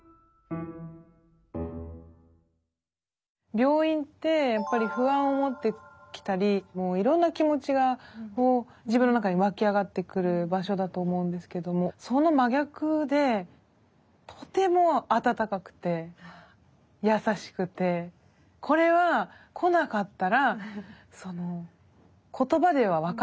病院ってやっぱり不安を持ってきたりもういろんな気持ちが自分の中に湧き上がってくる場所だと思うんですけどもその真逆でとても温かくて優しくてこれは来なかったら言葉では分からない。